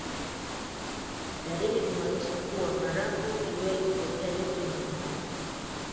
Dalili zinzonesha kuwa barafu iliwahi kupotea yote mlimani